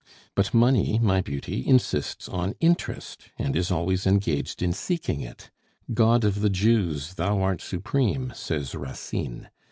But money, my beauty, insists on interest, and is always engaged in seeking it! 'God of the Jews, thou art supreme!' says Racine.